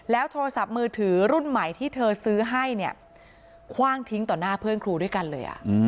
โทรศัพท์มือถือรุ่นใหม่ที่เธอซื้อให้เนี่ยคว่างทิ้งต่อหน้าเพื่อนครูด้วยกันเลย